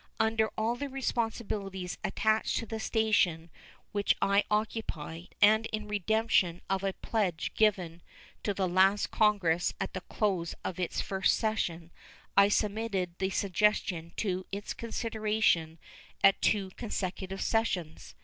Under all the responsibilities attached to the station which I occupy, and in redemption of a pledge given to the last Congress at the close of its first session, I submitted the suggestion to its consideration at two consecutive sessions.